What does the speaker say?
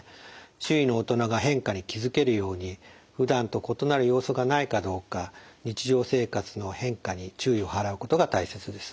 周囲の大人が変化に気付けるようにふだんと異なる様子がないかどうか日常生活の変化に注意を払うことが大切です。